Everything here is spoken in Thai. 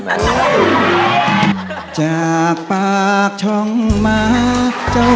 หล่อเฟี้ยวที่รักก็คงได้